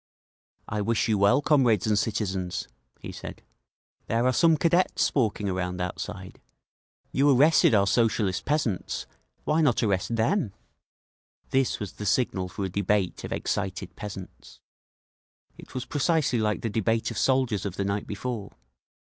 "I wish you well, comrades and citizens," he said. "There are some Cadets walking around outside. You arrested our Socialist peasants—why not arrest them?" This was the signal for a debate of excited peasants. It was precisely like the debate of soldiers of the night before.